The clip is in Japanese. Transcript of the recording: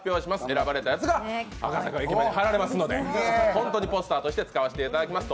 選ばれたやつが赤坂駅に貼られますので本当にポスターとして使わせていただきます。